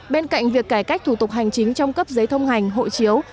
bên cạnh việc cải cách thủ tục hành chính trong cấp giấy thông hành hộ chiếu